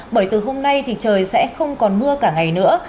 bởi từ hôm nay thì trời sẽ không còn mưa cả ngày nữa